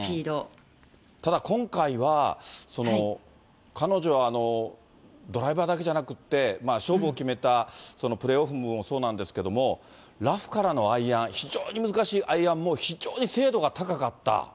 ただ今回は、彼女はドライバーだけじゃなくて、勝負を決めたプレーオフもそうなんですけど、ラフからのアイアン、非常に難しいアイアンも非常に精度が高かった。